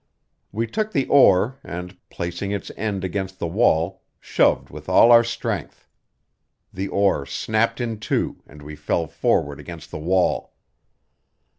We took the oar and, placing its end against the wall, shoved with all our strength. The oar snapped in two and we fell forward against the wall.